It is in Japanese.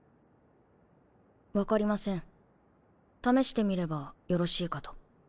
分かりません試してみればよろしいかと。